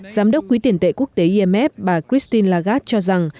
giám đốc quỹ tiền tệ quốc tế imf bà kristine lagarde cho rằng